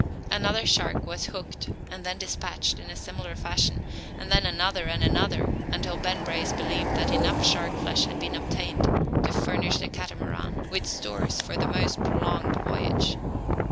Another shark was "hooked," and then despatched in a similar fashion; and then another and another, until Ben Brace believed that enough shark flesh had been obtained to furnish the Catamaran with stores for the most prolonged voyage.